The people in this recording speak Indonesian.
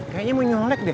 kayaknya mau nyelek deh